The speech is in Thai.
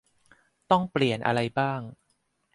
ต้องเปลี่ยนอะไรบ้าง